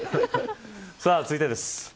さあ、続いてです。